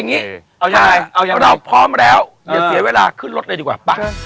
อย่างนี้เราพร้อมแล้วอย่าเสียเวลาขึ้นรถเลยดีกว่าป่ะ